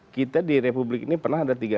kita di republik ini pernah ada tiga